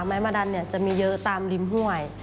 ไม้มะดันจะมีเยอะตามริมห้วย